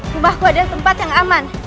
rumahku adalah tempat yang aman